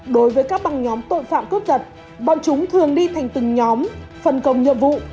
đối với các băng nhóm tội phạm cướp giật bọn chúng thường đi thành từng nhóm phần công nhiệm vụ